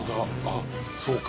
あっそうか。